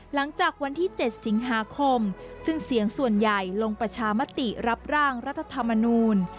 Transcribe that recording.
หลังจากวันที่๗สิงหาคมซึ่งเสียงส่วนใหญ่ลงประชามติรับร่างรัฐธรรมนูล